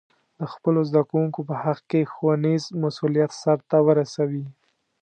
د خپلو زده کوونکو په حق کې ښوونیز مسؤلیت سرته ورسوي.